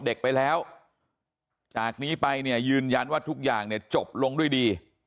เด็กไปแล้วจากนี้ไปเนี่ยยืนยันว่าทุกอย่างเนี่ยจบลงด้วยดี